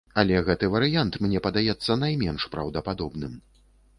Але гэты варыянт мне падаецца найменш праўдападобным.